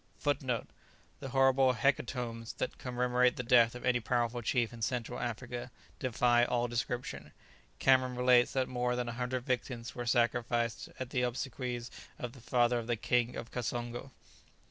[Footnote 1: The horrible hecatombs that commemorate the death of any powerful chief in Central Africa defy all description. Cameron relates that more than a hundred victims were sacrificed at the obsequies of the father of the King of Kassongo.